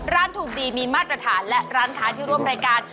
ร้านถูกดีมีมาตรฐานและร้านค้าที่ร่วมรายการ